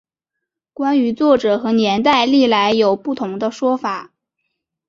关于作者和年代历来有不同说法。